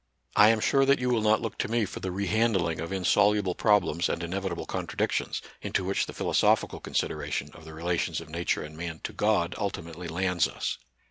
I am sure that you will not look to me for the rehandling of insoluble problems and inevitable contradictions, into which the philosophical consideration of the relations of Nature and man to God ultimately lands us.